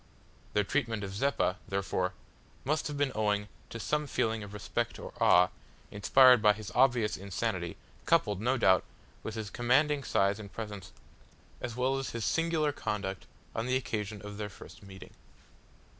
Their treatment of Zeppa, therefore, must have been owing to some feeling of respect or awe, inspired by his obvious insanity, coupled, no doubt, with his commanding size and presence as well as his singular conduct on the occasion of their first meeting.